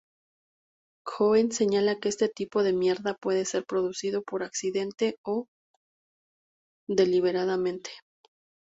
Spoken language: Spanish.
Cohen señala que este tipo de mierda puede ser producido por accidente o deliberadamente.